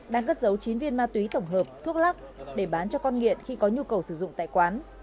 đang cất giấu chín viên ma túy tổng hợp thuốc lắc để bán cho con nghiện khi có nhu cầu sử dụng tại quán